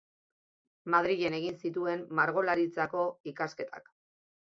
Madrilen egin zituen Margolaritzako ikasketak.